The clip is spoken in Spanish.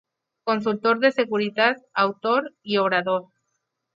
Consultor de seguridad, autor y orador.